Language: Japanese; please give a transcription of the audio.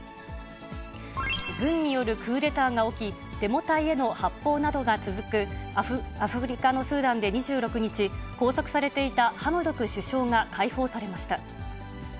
軍によるクーデターが起き、デモ隊への発砲などが続くアフリカのスーダンで２６日、拘束されていたハムドク首相が解放されました。